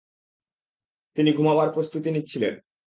তিনি ঘুমাবার প্রস্তুতি নিচ্ছিলেন।